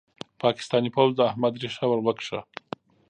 پاکستاني پوځ د احمد ريښه ور وکښه.